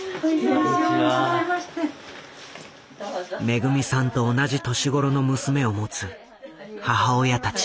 めぐみさんと同じ年頃の娘を持つ母親たち。